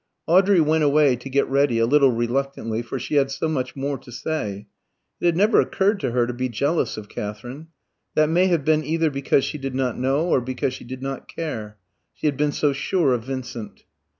Audrey went away to get ready, a little reluctantly, for she had so much more to say. It had never occurred to her to be jealous of Katherine. That may have been either because she did not know, or because she did not care. She had been so sure of Vincent.